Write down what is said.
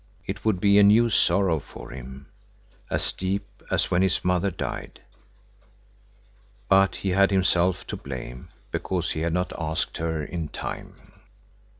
It would be a new sorrow for him, as deep as when his mother died. But he had himself to blame, because he had not asked her in time.